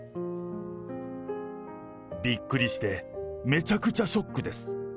びっくりして、めちゃくちゃショックです。